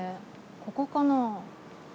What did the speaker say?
ここかな？